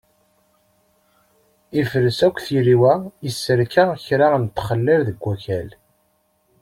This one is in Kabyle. Ifres akk tiriwa, yesserka kra n txellal deg wakal.